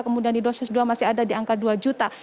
kemudian di dosis dua masih ada di angka dua juta